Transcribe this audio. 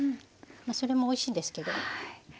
まぁそれもおいしいんですけど。